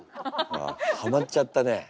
ハマっちゃったね。